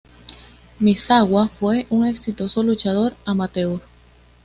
Misawa fue un exitoso luchador amateur.